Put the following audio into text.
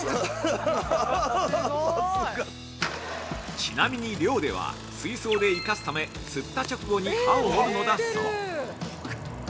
◆ちなみに漁では水槽で生かすため釣った直後に歯を折るのだそう。